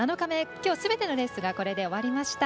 きょうすべてのレースがこれで終わりました。